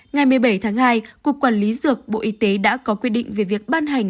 ngày một mươi bảy tháng hai cục quản lý dược bộ y tế đã có quy định về việc ban hành